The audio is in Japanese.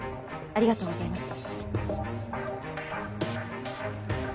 ありがとうございます。